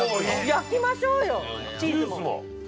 ◆焼きましょうよ！